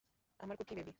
আমার কুট্টি বেবি।